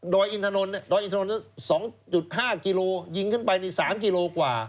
ดอยอินทรนเนี่ย๒๕กิโลเงินกินไปนี่๓กิโลกว่า